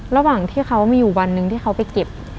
ระหว่างที่เขาออกมาวันหนึ่งเขาไปเก็บ